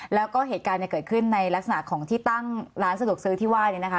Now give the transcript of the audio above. แล้วก็เหตุการณ์เกิดขึ้นในลักษณะของที่ตั้งร้านสะดวกซื้อที่ว่าเนี่ยนะคะ